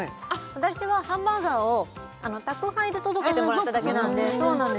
私はハンバーガーを宅配で届けてもらっただけなんでそうなんです